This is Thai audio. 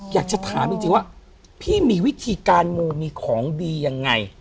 อยากจะถามจริงว่าพี่มีวิธีการมูมีของดียังไง